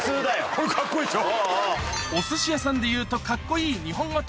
これカッコいいでしょ。